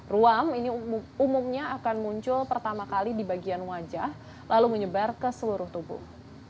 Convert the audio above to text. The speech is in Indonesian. ruam ini umumnya akan muncul pertama kali di bagian wajah lalu menyebar ke seluruh tubuh